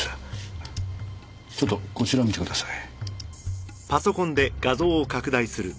ちょっとこちらを見てください。